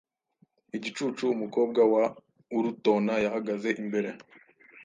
Igicucu Umukobwa wa Urutona yahagaze imbere